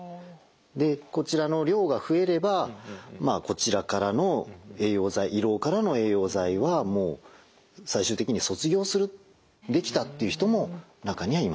でこちらの量が増えればまあ胃ろうからの栄養剤はもう最終的に卒業するできたっていう人も中にはいます。